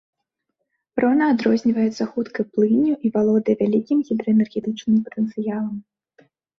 Рона адрозніваецца хуткай плынню і валодае вялікім гідраэнергетычным патэнцыялам.